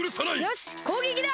よしこうげきだ！